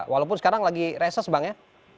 walaupun sekarang lagi reses bang ya